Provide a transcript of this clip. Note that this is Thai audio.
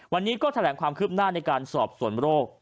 วันนี้ก็แถลงความคืบหน้าในการสอบส่วนโรค